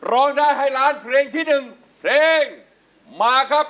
ร้องได้ให้ล้านเพลงที่๑เพลงมาครับ